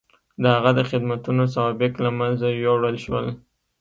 د هغه د خدمتونو سوابق له منځه یووړل شول.